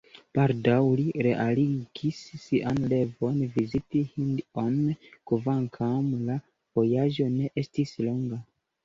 Baldaŭ li realigis sian revon – viziti Hindion, kvankam la vojaĝo ne estis longa.